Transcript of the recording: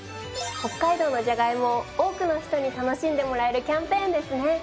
北海道のじゃがいもを多くの人に楽しんでもらえるキャンペーンですね。